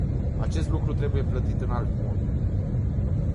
Acest lucru trebuie plătit în alt mod.